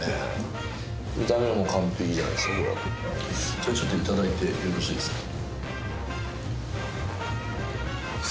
じゃあちょっと頂いてよろしいですか？